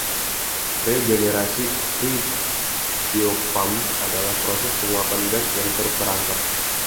Regenerasi cryopump adalah proses penguapan gas yang terperangkap.